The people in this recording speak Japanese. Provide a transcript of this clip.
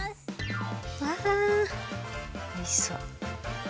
わおいしそう。